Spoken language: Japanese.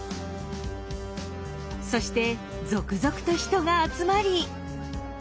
そして続々と人が集まり。